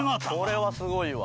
これはすごいわ。